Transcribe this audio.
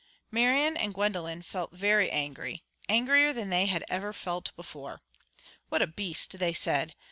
'" Marian and Gwendolen felt very angry, angrier than they had ever felt before. "What a beast!" they said.